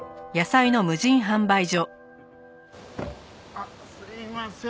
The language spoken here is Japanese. あっすいません。